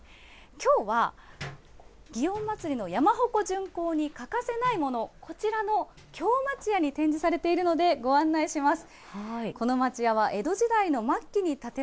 きょうは祇園祭の山鉾巡行に欠かせないもの、こちらの京町家に展示されているので、ご案内します。